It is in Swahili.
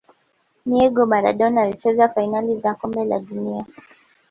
miego Maradona alicheza fainali za kombe la dunia